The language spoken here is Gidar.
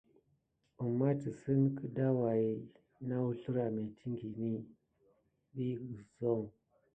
Kuma tisine gəda waya ho na wuzlera metikine diy kisok.